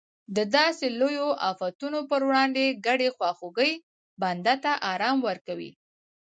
د داسې لویو افتونو پر وړاندې ګډې خواخوږۍ بنده ته ارام ورکوي.